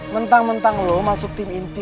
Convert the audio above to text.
mentang mentang lo masuk tim inti